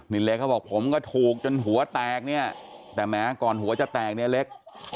นี่เล็กเขาบอกผมก็ถูกจนหัวแตกเนี่ยแต่แม้ก่อนหัวจะแตกเนี่ยเล็ก